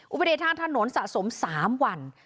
อุบัติเหตุทางถนนสะสม๓วัน